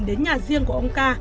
đến nhà riêng của ông ca